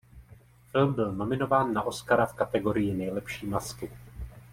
Film byl nominován na Oscara v kategorii nejlepší masky.